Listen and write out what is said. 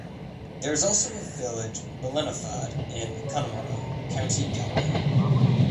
There is also a village Ballinafad in Connemara, County Galway.